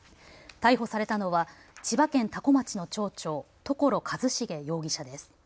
逮捕されたのは千葉県多古町の町長、所一重容疑者です。